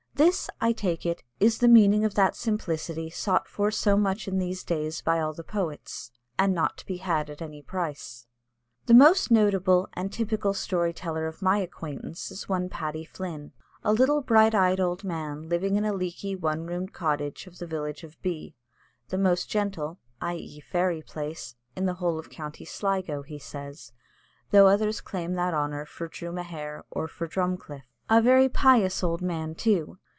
This, I take it, is the meaning of that simplicity sought for so much in these days by all the poets, and not to be had at any price. The most notable and typical story teller of my acquaintance is one Paddy Flynn, a little, bright eyed, old man, living in a leaky one roomed cottage of the village of B , "The most gentle i.e., fairy place in the whole of the County Sligo," he says, though others claim that honour for Drumahair or for Drumcliff. A very pious old man, too!